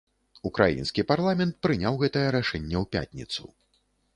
Украінскі парламент прыняў гэтае рашэнне ў пятніцу.